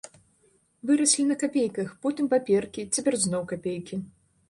Выраслі на капейках, потым паперкі, цяпер зноў капейкі.